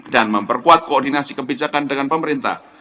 dan memperkuat koordinasi kebijakan dengan pemerintah